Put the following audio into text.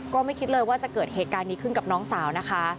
ก็ไม่คิดเลยว่าจะเกิดเหตุการณ์นี้ขึ้นกับน้องสาวนะคะ